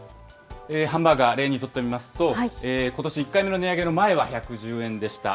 ハンバーガー、例にとってみますと、ことし１回目の値上げの前は１１０円でした。